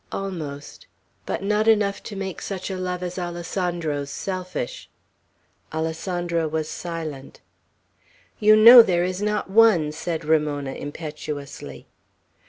Almost; but not enough to make such a love as Alessandro's selfish. Alessandro was silent. "You know there is not one!" said Ramona, impetuously.